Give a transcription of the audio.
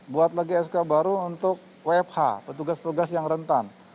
buat lagi sk baru untuk wfh petugas petugas yang rentan